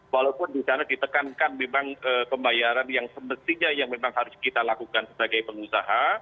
walaupun di sana ditekankan memang pembayaran yang semestinya yang memang harus kita lakukan sebagai pengusaha